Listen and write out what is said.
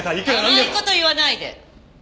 甘い事言わないで。